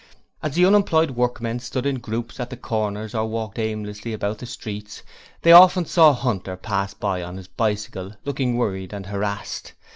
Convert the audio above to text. As the unemployed workmen stood in groups at the corners or walked aimlessly about the streets, they often saw Hunter pass by on his bicycle, looking worried and harassed.